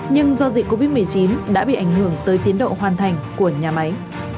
nhưng do dịch covid một mươi chín đã bị ảnh hưởng tới tiến độ hoàn thành của nhà máy